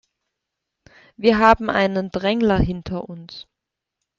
Wir haben einen Drängler hinter uns.